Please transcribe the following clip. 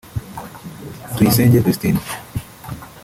Tuyisenge Vestine